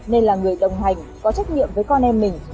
nên là người đồng hành có trách nhiệm với con em mình